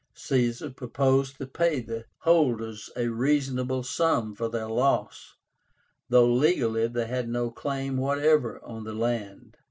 Caesar proposed to pay the holders a reasonable sum for their loss, though legally they had no claim whatever on the land.